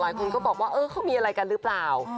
หลายคนก็บอกว่าเออเขามีอะไรกันหรือเปล่า